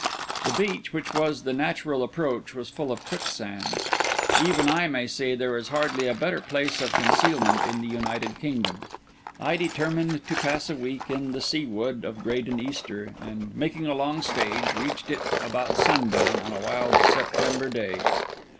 The beach, which was the natural approach, was full of quicksands. Indeed I may say there is hardly a better place of concealment in the United Kingdom. I determined to pass a week in the Sea Wood of Graden Easter, and making a long stage, reached it about sundown on a wild September day.